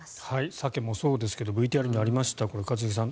サケもそうですがＶＴＲにもありました一茂さん